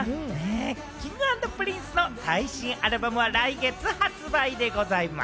Ｋｉｎｇ＆Ｐｒｉｎｃｅの最新アルバムは来月発売でございます。